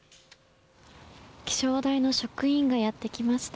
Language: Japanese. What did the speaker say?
気象台の職員がやってきました。